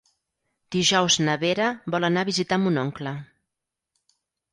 Dijous na Vera vol anar a visitar mon oncle.